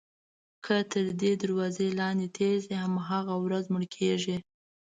که تر دې دروازې لاندې تېر شي هماغه ورځ مړ کېږي.